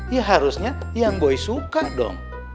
ya harusnya yang boy suka dong